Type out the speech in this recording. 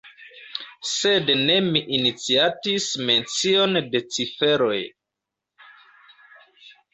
Sed ne mi iniciatis mencion de ciferoj.